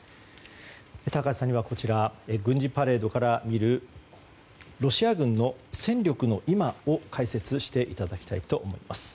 高橋さんには軍事パレードから見るロシア軍の戦力の今を解説していただきたいと思います。